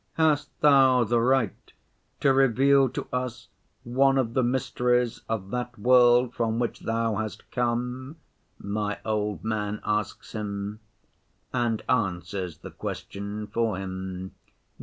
'Hast Thou the right to reveal to us one of the mysteries of that world from which Thou hast come?' my old man asks Him, and answers the question for Him.